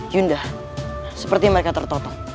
yunda seperti mereka tertotong